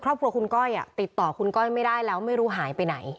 ครอบครัวคุณก้อยติดต่อคุณก้อยไม่ได้แล้วไม่รู้หายไปไหน